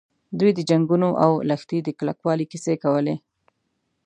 دوی د جنګونو او د لښتې د کلکوالي کیسې کولې.